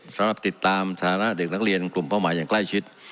สำหรับติดตามสถานะเด็กนักเรียนกลุ่มเป้าหมายอย่างใกล้ชิด